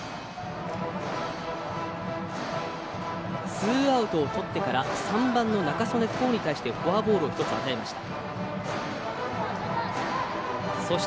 ツーアウトを取ってから３番の仲宗根皐にとってフォアボールを１つ与えました。